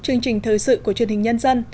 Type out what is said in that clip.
chương trình thời sự của truyền hình nhân dân